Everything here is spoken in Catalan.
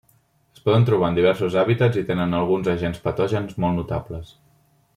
Es poden trobar en diversos hàbitats i tenen alguns agents patògens molt notables.